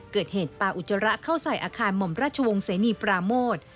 เกิดเหตุปลาอุจจาระเข้าใส่อาคารหม่อมราชวงศ์เสนีปราโมท